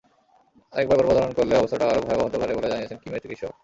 আরেকবার গর্ভধারণ করলে অবস্থাটা আরও ভয়াবহ হতে পারে বলে জানিয়েছেন কিমের চিকিৎসক।